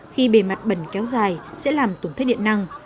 khi bề mặt bẩn kéo dài sẽ làm tổn thất điện năng